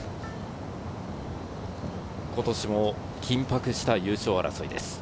今年も緊迫した優勝争いです。